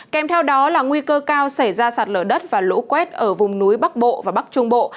kèm theo đó là nguy cơ cao xảy ra sạt lở đất và lũ quét ở vùng núi bắc bộ và bắc trung bộ